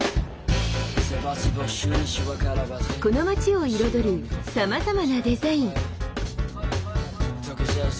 この街を彩るさまざまなデザイン。